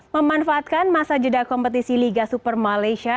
memanfaatkan masa jeda kompetisi liga super malaysia